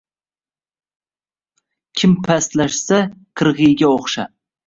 Kim pastlashsa qirg’iyga o’xshab